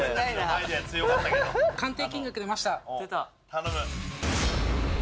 頼む！